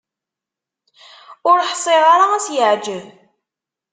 Ur ḥṣiɣ ara ad s-yeɛǧeb.